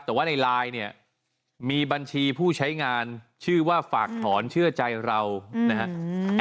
แต่ว่าในไลน์เนี่ยมีบัญชีผู้ใช้งานชื่อว่าฝากถอนเชื่อใจเรานะครับ